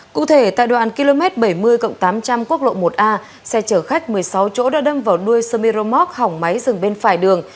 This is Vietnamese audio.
cụ thể tại đoàn km bảy mươi tám trăm linh quốc lộ một a xe chở khách một mươi sáu chỗ đã đâm vào nuôi samiromoc hỏng máy rừng bên phải đường